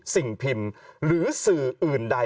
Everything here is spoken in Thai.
สิ่งพิมพ์หรือสื่ออื่นใด